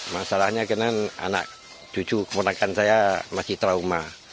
masalahnya karena anak cucu keponakan saya masih trauma